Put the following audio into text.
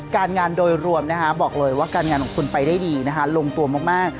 การงานโดยรวมบอกเลยว่าการงานของคุณไปได้ดีนะคะลงตัวมาก